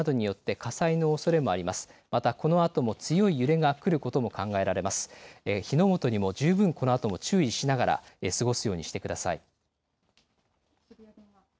火の元にも十分このあとも注意しながら過ごすようにしてください。